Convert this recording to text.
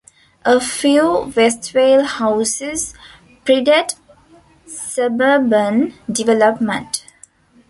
A few Westvale houses predate suburban development.